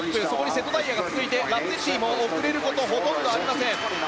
瀬戸大也も続いてラッツェッティも遅れることほとんどありません。